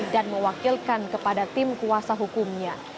dan mewakilkan kepada tim kuasa hukumnya